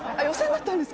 予選？